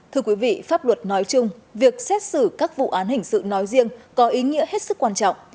thưa quý vị pháp luật nói chung việc xét xử các vụ án hình sự nói riêng có ý nghĩa hết sức quan trọng